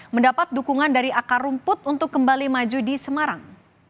mendapat dukungan dari akar rumput untuk kembali maju di semarang